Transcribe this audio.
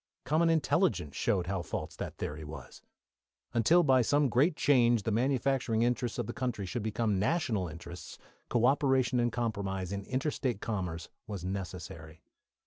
Common intelligence showed how false this theory was. Until by some great change the manufacturing interests of the country should become national interests, co operation and compromise in inter state commerce was necessary.